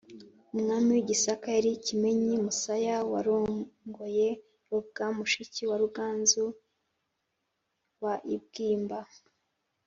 Umwami w’i Gisaka yari Kimenyi Musaya warongoye Robwa, mushiki wa Ruganzu wa I Bwimba.